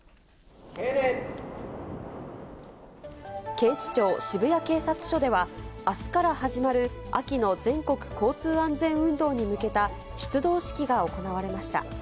警視庁渋谷警察署では、あすから始まる秋の全国交通安全運動に向けた、出動式が行われました。